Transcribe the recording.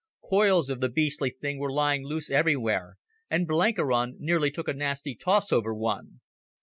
Coils of the beastly thing were lying loose everywhere, and Blenkiron nearly took a nasty toss over one.